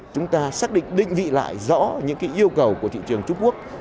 chúng ta xác định định vị lại rõ những yêu cầu của thị trường trung quốc